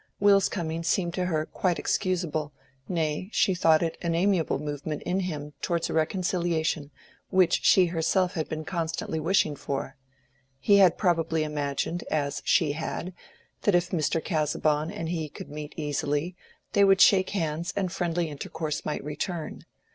Will's coming seemed to her quite excusable, nay, she thought it an amiable movement in him towards a reconciliation which she herself had been constantly wishing for. He had probably imagined, as she had, that if Mr. Casaubon and he could meet easily, they would shake hands and friendly intercourse might return.